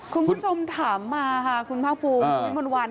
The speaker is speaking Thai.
คุณผู้ชมถามมาค่ะคุณภาคภูมิคุณวิมนต์วัน